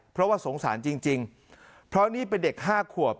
เพราะว่าสงสารจริงเพราะนี่เป็นเด็ก๕ขวบ